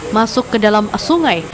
masuk ke dalam sungai